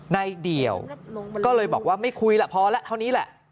ในเดี่ยวก็เลยบอกว่าไม่คุยแหละพอแล้วเท่านี้แหละ